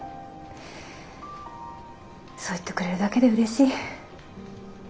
そう言ってくれるだけでうれしい。